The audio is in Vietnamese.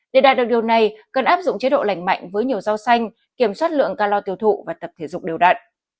để đạt được điều này cần áp dụng chế độ lành mạnh với nhiều rau xanh kiểm soát lượng ca lo tiêu thụ và tập thể dục đều đặn